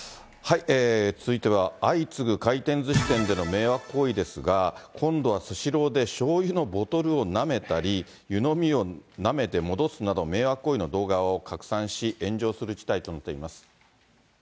続いては、相次ぐ回転ずし店での迷惑行為ですが、今度はスシローでしょうゆのボトルをなめたり、湯飲みをなめて戻すなど、迷惑行為の動画を拡散し、炎上する事態となっています。